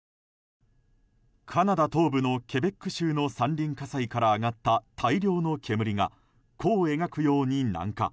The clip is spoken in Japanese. カナダ東部のケベック州の山林火災から上がった大量の煙が弧を描くように南下。